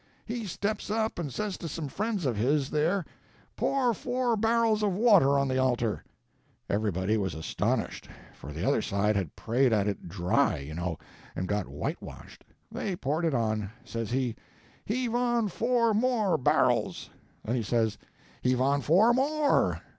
He steps up and says to some friends of his there, 'Pour four barrels of water on the altar!' Everybody was astonished; for the other side had prayed at it dry, you know, and got whitewashed. They poured it on. Says he, 'Heave on four more barrels.' Then he says, 'Heave on four more.'